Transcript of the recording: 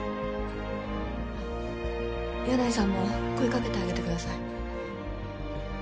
あっ箭内さんも声かけてあげてください。